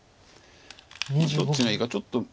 どっちがいいかちょっと。